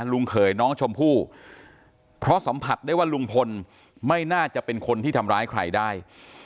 เขยน้องชมพู่เพราะสัมผัสได้ว่าลุงพลไม่น่าจะเป็นคนที่ทำร้ายใครได้